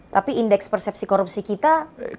tapi indeks persepsi korupsi kita